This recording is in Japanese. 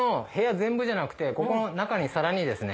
全部じゃなくてここの中にさらにですね